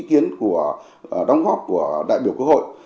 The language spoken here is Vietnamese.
kiến của đóng góp của đại biểu quốc hội